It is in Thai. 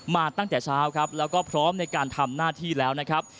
มาตั้งแต่เช้าครับแล้วก็พร้อมในการทำหน้าที่แล้วนะครับ